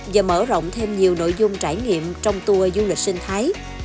và mở rộng thêm nhiều nội dung trải nghiệm trong tour du lịch sinh thái